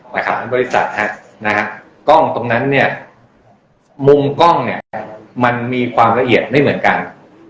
ประสาทบริษัทมุมกล้องก็มีความละเอียดไม่เหมือนกัน